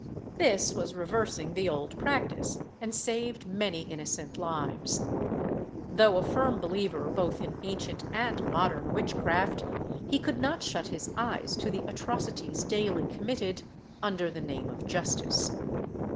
This was reversing the old practice, and saved many innocent lives. Though a firm believer both in ancient and modern witchcraft, he could not shut his eyes to the atrocities daily committed under the name of justice.